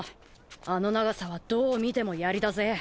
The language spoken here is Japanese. あの長さはどう見てもやりだぜ。